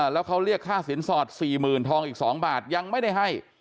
แล้วเขาเรียกค่าสินสอด๔๐๐๐ทองอีก๒บาทยังไม่ได้ให้